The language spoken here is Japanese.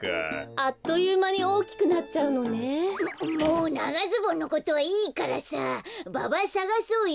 あっというまにおおきくなっちゃうのね。ももうながズボンのことはいいからさババさがそうよ！